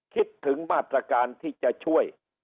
คิดถึงมาตรการที่จะช่วย